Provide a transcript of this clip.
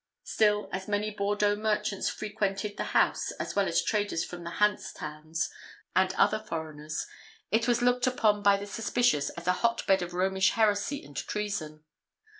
Still, as many Bordeaux merchants frequented the house, as well as traders from the Hanse towns, and other foreigners, it was looked upon by the suspicious as a hotbed of Romish heresy and treason.